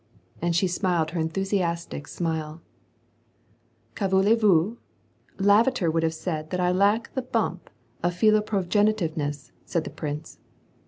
And she smiled her enthusiastic smile. '^ Que voulez^vous ? Lavater would have said that I lack the bomp of philoprogenitiveness," said the prince.